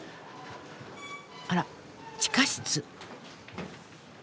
あら地下室。